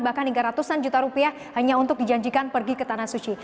bahkan hingga ratusan juta rupiah hanya untuk dijanjikan pergi ke tanah suci